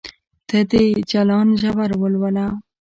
ته د جلان ژور ولوله